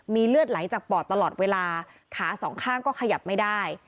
มีเลือดไหลจากปอดตลอดเวลาขาสองข้างก็ขยับไม่ได้